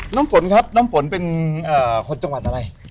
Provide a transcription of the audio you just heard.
น้ำฝนครับน้ำฝนเป็นคนจังหวัดอะไร